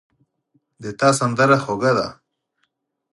د تا سندره خوږه ده